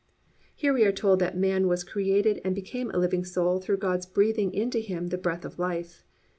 "+ Here we are told that man was created and became a living soul through God's breathing into him the breath of life.